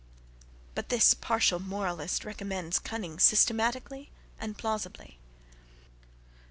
But this partial moralist recommends cunning systematically and plausibly.